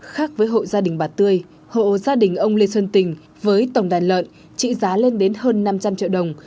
khác với hộ gia đình bà tươi hộ gia đình ông lê xuân tình với tổng đàn lợn trị giá lên đến hơn năm trăm linh triệu đồng